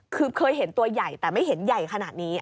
คือเคยเห็นตัวใหญ่แต่ไม่เห็นใหญ่ขนาดนี้